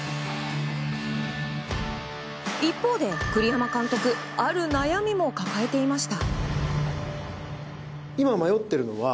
一方で栗山監督ある悩みも抱えていました。